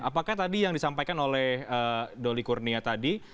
apakah tadi yang disampaikan oleh doli kurnia tadi